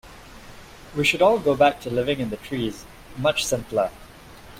We should all go back to living in the trees, much simpler.